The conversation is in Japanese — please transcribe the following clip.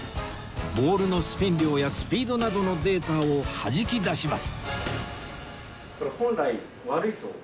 ボールのスピン量やスピードなどのデータをはじき出します